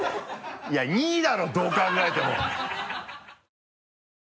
いや２位だろどう考えても！